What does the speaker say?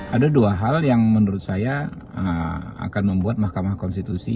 ada dua hal yang menurut saya akan membuat mahkamah konstitusi